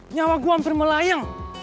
nyawa gue hampir melayang